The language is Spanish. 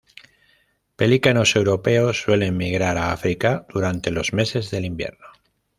Pelícanos europeos suelen migrar a África durante los meses del invierno.